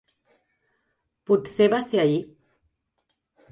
Potser va ser ahir.